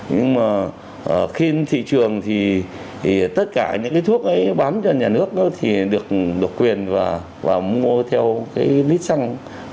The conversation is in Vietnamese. nhưng mà khi thị trường thì tất cả những cái thuốc ấy bán cho nhà nước thì được độc quyền và mua theo cái lít xăng